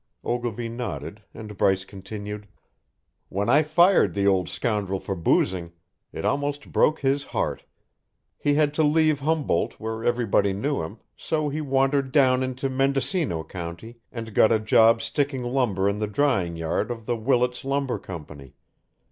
Ogilvy nodded, and Bryce continued: "When I fired the old scoundrel for boozing, it almost broke his heart; he had to leave Humboldt, where everybody knew him, so he wandered down into Mendocino County and got a job sticking lumber in the drying yard of the Willits Lumber Company.